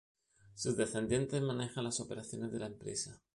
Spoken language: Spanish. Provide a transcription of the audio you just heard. Sus descendientes manejan las operaciones de la empresa.